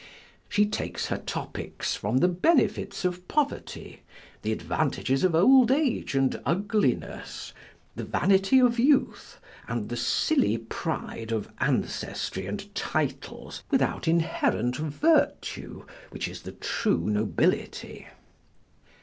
She takes her topics from the benefits of poverty, the advantages of old age and ugliness, the vanity of youth, and the silly pride of ancestry and titles without inherent virtue, which is the true nobility.